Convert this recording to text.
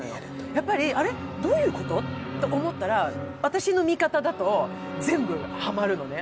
やっぱりあれ、どういうこと？と思ったら私の見方だと、全部ハマるのね。